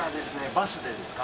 バスでですか？